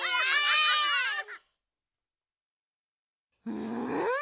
うん？